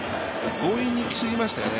強引にいきすぎましたよね。